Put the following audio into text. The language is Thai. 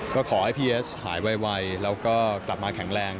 ก็ขอให้พี่เอสหายไวแล้วก็กลับมาแข็งแรง